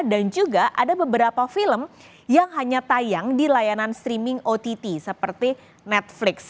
dan juga ada beberapa film yang hanya tayang di layanan streaming ott seperti netflix